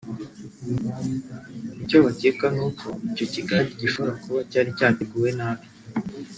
icyo bakeka ni uko icyo kigage gishobora kuba cyari cyateguwe nabi